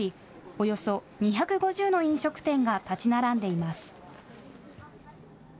およそ２５０の飲食店が建ち並んでいます。